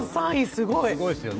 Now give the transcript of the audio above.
すごいよ。